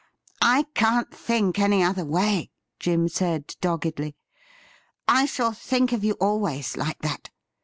' I can't think any other way,' Jim said doggedly. ' I shall think of you always like that.